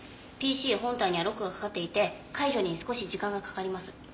ＰＣ本体にはロックがかかっていて解除に少し時間がかかります。